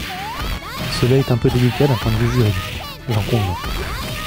Cela est un peu délicat d’un point de vue juridique, j’en conviens.